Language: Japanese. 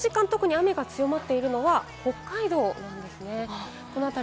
この時間、特に雨が強まっているのは、北海道なんですね。